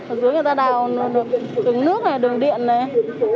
ở dưới người ta đào được ứng nước này đường điện này